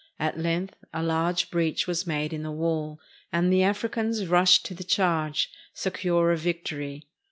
At length a large breach was made in the wall, and the Africans rushed to the charge, se cure of victory.